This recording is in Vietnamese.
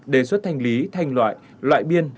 đề xuất thanh lý thanh loại loại biên